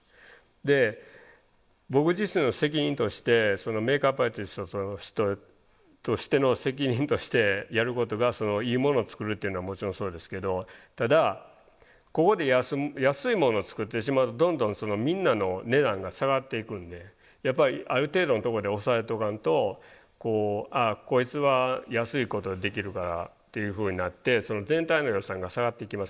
で僕自身の責任としてメイクアップアーティストとしての責任としてやることがいいものを作るというのはもちろんそうですけどただここで安いものを作ってしまうとどんどんみんなの値段が下がっていくんでやっぱりある程度のとこで抑えとかんとああこいつは安いことできるからっていうふうになって全体の予算が下がっていきますから。